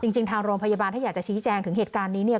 จริงทางโรงพยาบาลถ้าอยากจะชี้แจงถึงเหตุการณ์นี้เนี่ย